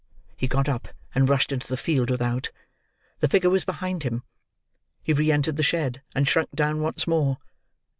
He got up, and rushed into the field without. The figure was behind him. He re entered the shed, and shrunk down once more.